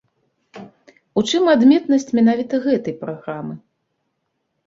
У чым адметнасць менавіта гэтай праграмы?